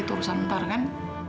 tuh santar kan